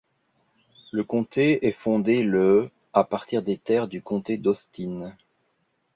Le comté est fondé le à partir des terres du comté d'Austin.